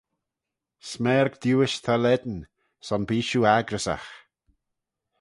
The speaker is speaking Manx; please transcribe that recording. Smerg diuish ta lane: son bee shiu accryssagh.